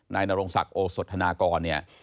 นายนรงศักดิ์โอสธนากร